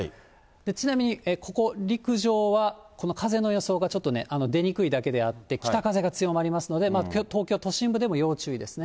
ちなみにここ、陸上は、この風の予想がちょっと出にくいだけであって、北風が強まりますので、東京都心部でも要注意ですね。